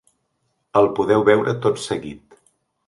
El podeu veure tot seguit.